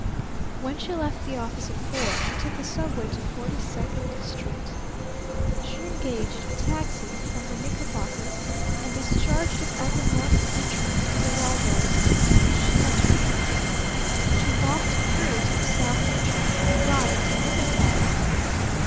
When she left the office at four she took the Subway to Forty second Street. She engaged a taxi from the Knickerbocker and discharged it at the north entrance to the Waldorf, which she entered. She walked through to the south entrance and got into another taxi.